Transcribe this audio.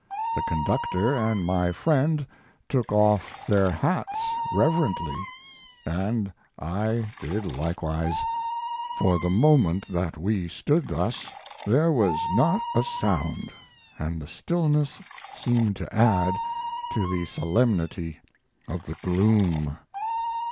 The conductor and my friend took off their hats reverently, and I did likewise. For the moment that we stood thus there was not a sound, and the stillness seemed to add to the solemnity of the gloom.